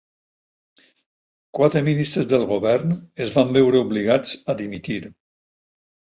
Quatre ministres del govern es van veure obligats a dimitir.